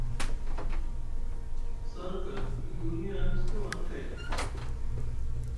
Ku za hangal buri dunya ku sɗa warɗi kay.